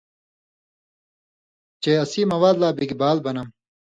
چے اسیں مواد لا بِگ بال بنم